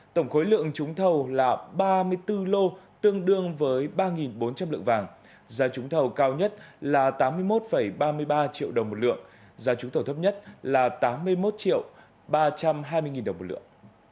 tổng khối lượng trúng thầu là ba mươi bốn lô tương đương với ba bốn trăm linh lượng vàng giá trúng thầu cao nhất là tám mươi một ba mươi ba triệu đồng một lượng giá trúng thầu thấp nhất là tám mươi một ba trăm hai mươi đồng một lượng